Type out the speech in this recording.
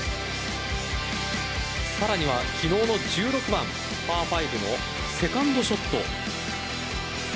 さらには昨日の１６番パー５のセカンドショット。